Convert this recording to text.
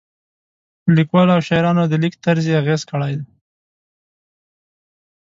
په لیکوالو او شاعرانو د لیک طرز یې اغېز کړی دی.